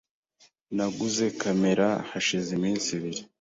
Naguze kamera hashize iminsi ibiri .